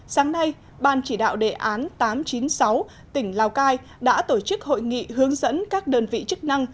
sáng nay ban chỉ đạo đề án tám trăm chín mươi sáu tỉnh lào cai đã tổ chức hội nghị hướng dẫn các đơn vị chức năng